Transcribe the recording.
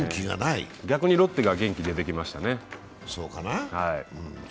逆にロッテが元気出てきましたね。